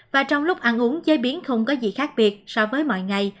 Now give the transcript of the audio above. và trong lúc ăn uống chế biến không có gì khác biệt so với mọi ngày